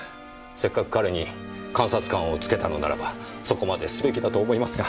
せっかく彼に監察官を付けたのならばそこまですべきだと思いますが。